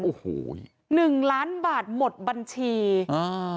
โอ้โหหนึ่งล้านบาทหมดบัญชีอ่า